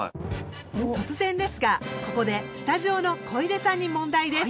突然ですがここでスタジオの小出さんに問題です。